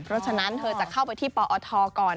เพราะฉะนั้นเธอจะเข้าไปที่ปอทก่อน